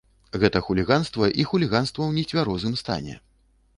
Гэта хуліганства і хуліганства ў нецвярозым стане.